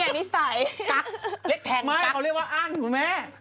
นี่ไงนิสัยกั๊กเล็กแพงกั๊กไม่เขาเรียกว่าอั้นถูกมั้ย